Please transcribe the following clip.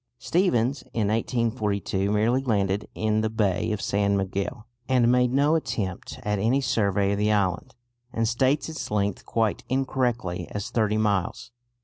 Stephens in 1842 merely landed in the bay of San Miguel, and made no attempt at any survey of the island, and states its length quite incorrectly as thirty miles.